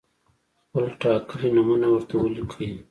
خپل ټاکلي نومونه ورته ولیکئ.